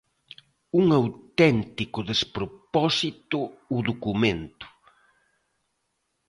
¡Un auténtico despropósito o documento!